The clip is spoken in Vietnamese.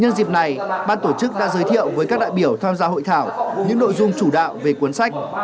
nhân dịp này ban tổ chức đã giới thiệu với các đại biểu tham gia hội thảo những nội dung chủ đạo về cuốn sách